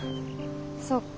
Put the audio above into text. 「そっか。